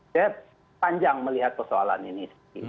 saya panjang melihat persoalan ini